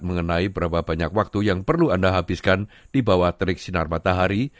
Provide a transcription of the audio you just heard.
mengenai berapa banyak waktu yang perlu anda habiskan di bawah terik sinar matahari